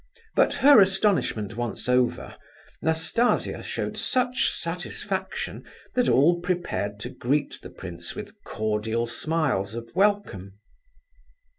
But her astonishment once over, Nastasia showed such satisfaction that all prepared to greet the prince with cordial smiles of welcome.